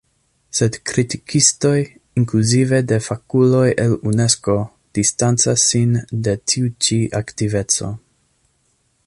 Sed kritikistoj, inkluzive de fakuloj el Unesko, distancas sin de tiu ĉi aktiveco.